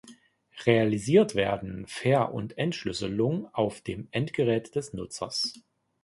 Realisiert werden Ver- und Entschlüsselung auf dem Endgerät des Nutzers.